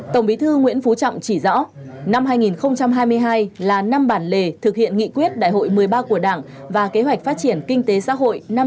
tổng bí thư nguyễn phú trọng chỉ rõ năm hai nghìn hai mươi hai là năm bản lề thực hiện nghị quyết đại hội một mươi ba của đảng và kế hoạch phát triển kinh tế xã hội năm hai nghìn hai mươi ba